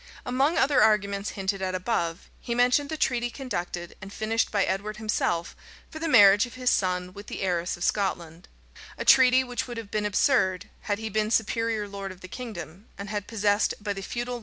[*] Among other arguments hinted at above, he mentioned the treaty conducted and finished by Edward himself, for the marriage of his son with the heiress of Scotland; a treaty which would have been absurd, had he been superior lord of the kingdom, and had possessed by the feudal law the right of disposing of his ward in marriage.